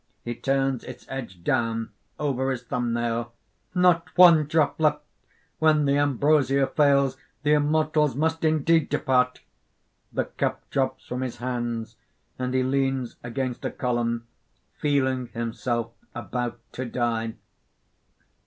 He turns its edge down over his thumbnail._) "Not one drop left! When the ambrosia fails, the Immortals must indeed depart!" (_The cup drops from his hands; and he leans against a column, feeling himself about to die.